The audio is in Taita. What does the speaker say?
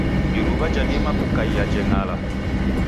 Iruwa jadima kukaia jeng'ala.